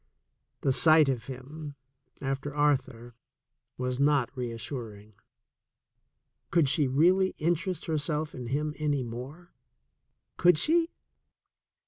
The sight of him, after Arthur, was not reassuring. Could she really interest herself in him any more? Could she?